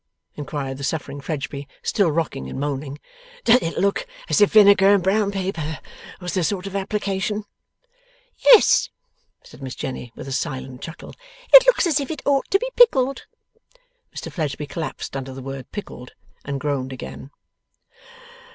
inquired the suffering Fledgeby, still rocking and moaning. 'Does it look as if vinegar and brown paper was the sort of application?' 'Yes,' said Miss Jenny, with a silent chuckle. 'It looks as if it ought to be Pickled.' Mr Fledgeby collapsed under the word 'Pickled,' and groaned again.